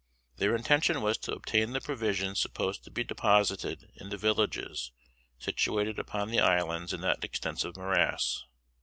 Their intention was to obtain the provisions supposed to be deposited in the villages situated upon the islands in that extensive morass.